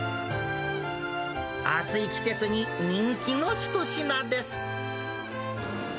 暑い季節に人気の一品です。